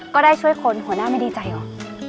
ก็ได้ช่วยคนหัวหน้าไม่ดีใจเหรอ